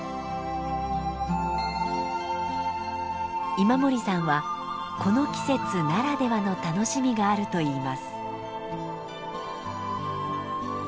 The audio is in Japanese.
今森さんはこの季節ならではの楽しみがあると言います。